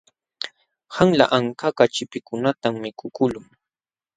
Qanla ankakaq chipchikunatam mikukuqlun.